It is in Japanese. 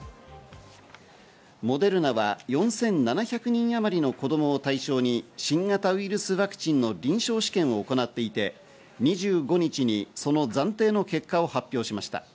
モデルナは４７００人あまりの子供を対象に新型ウイルスワクチンの臨床試験を行っていて、２５日にその暫定の結果を発表しました。